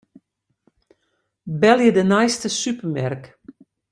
Belje de neiste supermerk.